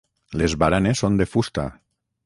Les baranes són de fusta.